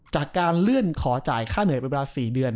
จากการเลื่อนขอจ่ายค่าเหนื่อยไปเวลา๔เดือน